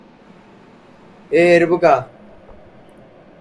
'किल दिल' में रणवीर सिंह का first look release